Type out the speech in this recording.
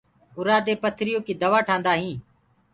اورآ دي پٿريو ڪي دوآ ٺآندآ هينٚ۔